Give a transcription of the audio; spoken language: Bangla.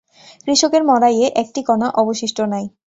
কৃষকের মরাইয়ে একটি কণা অবশিষ্ট নাই।